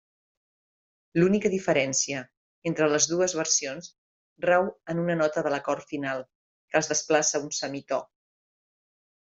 L'única diferència entre les dues versions rau en una nota de l'acord final, que es desplaça un semitò.